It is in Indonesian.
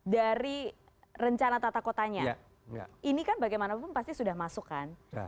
dari rencana tata kotanya ini kan bagaimanapun pasti sudah masuk kan